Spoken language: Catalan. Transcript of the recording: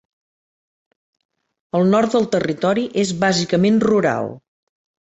El nord del territori és bàsicament rural.